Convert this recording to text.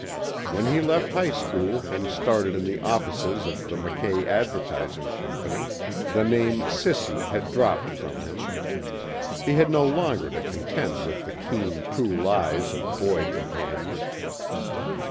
When he left high school and started in the offices of the Mackay Advertising Company, the name "Sissy" had dropped from him. He had no longer to contend with the keen, cruel eyes of boy companions.